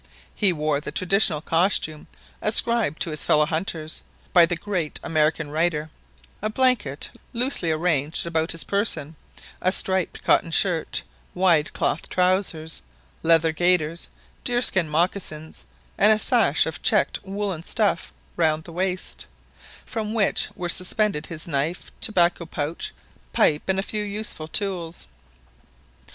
He wore the traditional costume ascribed to his fellow hunters by the great American writer; a blanket loosely arranged about his person, a striped cotton shirt, wide cloth trousers, leather gaiters, deerskin mocassins, and a sash of checked woollen stuff round the waist, from which were suspended his knife, tobacco pouch, pipe, and a few useful tools.